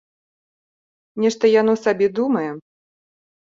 Нешта яно сабе думае.